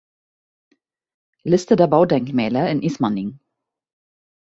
Liste der Baudenkmäler in Ismaning